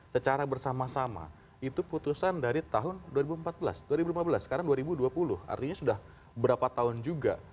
secara bersama sama itu putusan dari tahun dua ribu empat belas dua ribu lima belas sekarang dua ribu dua puluh artinya sudah berapa tahun juga